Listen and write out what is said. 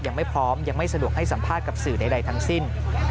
ยังไม่พร้อมยังไม่สะดวกให้สัมภาษณ์กับสื่อใดทั้งสิ้น